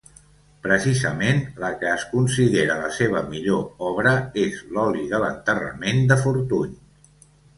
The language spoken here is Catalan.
Precisament, la que es considera la seva millor obra és l'oli de l'enterrament de Fortuny.